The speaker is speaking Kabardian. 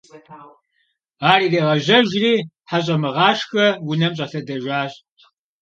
Ар иригъэжьэжри, ХьэщӀэмыгъашхэ унэм щӀэлъэдэжащ.